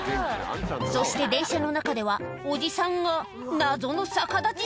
そして電車の中ではおじさんが謎の逆立ち